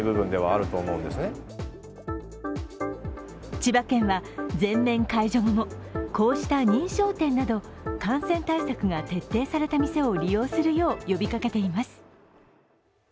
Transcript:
千葉県は全面解除後もこうした認証店など感染対策が徹底された店を利用するよう呼びかけています。